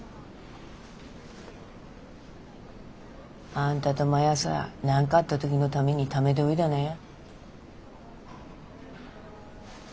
あんたとマヤさ何かあった時のためにためておいだなや。